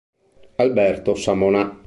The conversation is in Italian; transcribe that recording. Alberto Samonà